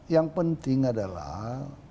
yang penting adalah